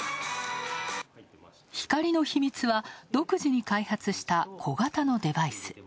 光の秘密は、独自に開発した小型のデバイス。